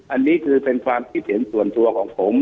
อันนี้คือเป็นความคิดเห็นส่วนตัวของผม